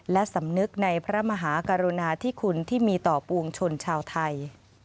และสำนึกในพระมหากรุณาที่คุณที่มีต่อปวงชนชาวไทย